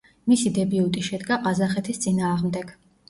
მისი დებიუტი შედგა ყაზახეთის წინააღმდეგ.